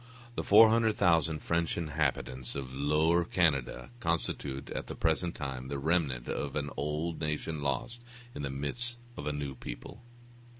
The 400,000 French inhabitants of Lower Canada constitute, at the present time, the remnant of an old nation lost in the midst of a new people.